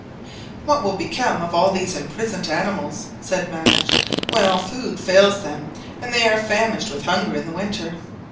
"What will become of all these imprisoned animals," said Madge, "when all food fails them, and they are famished with hunger in the winter?"